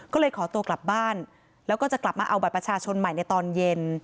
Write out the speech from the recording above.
ก็เลยขอตัวกลับบ้านแล้วก็จะกลับมาเอาบัตรประชาชนใหม่ในตอนเย็น